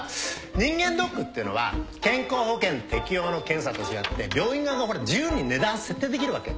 人間ドックってのは健康保険適用の検査と違って病院側が自由に値段を設定できるわけ。